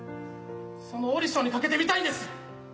そのオーディションに懸けてみたいんです。